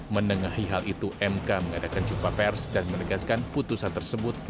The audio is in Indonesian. menengahi hal itu mk mengadakan jumpa pers dan menegaskan putusan tersebut